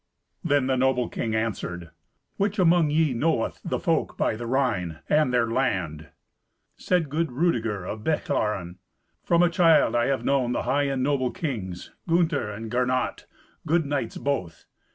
Then the noble king answered, "Which among ye knoweth the folk by the Rhine, and their land?" Said good Rudeger of Bechlaren, "From a child I have known the high and noble kings, Gunther and Gernot, good knights both.